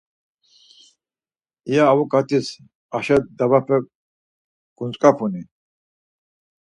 İya avuǩatis aşo davape guntzǩapuni?